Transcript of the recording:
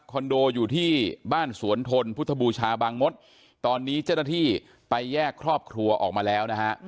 โดอยู่ที่บ้านสวนทนพุทธบูชาบางมศตอนนี้เจ้าหน้าที่ไปแยกครอบครัวออกมาแล้วนะฮะ